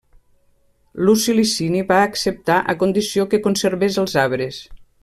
Luci Licini va acceptar a condició que conservés els arbres.